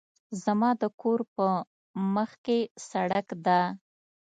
زما د کور په مخکې سړک ده